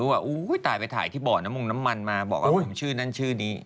ว่าอุ้ยตายไปถ่ายที่บ่อน้ำมงน้ำมันมาบอกว่าผมชื่อนั้นชื่อนี้